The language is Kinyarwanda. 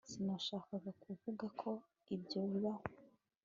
sinashakaga kuvuga ko ibyo bibaho